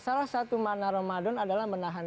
salah satu mana ramadhan adalah menahan